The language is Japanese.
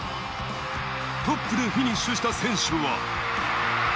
トップでフィニッシュした選手は。